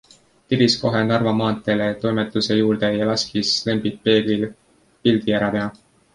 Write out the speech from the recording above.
Tiris kohe Narva maanteele toimetuse juurde ja laskis Lembit Peeglil pildi ära teha.